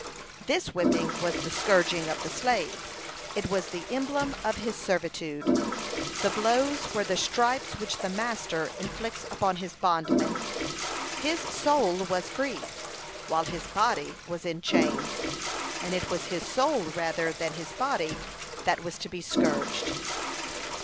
This whipping was the scourging of the slave; it was the emblem of his servitude. The blows were the stripes which the master inflicts upon his bondman. His soul was free, while his body was in chains; and it was his soul rather than his body that was to be scourged.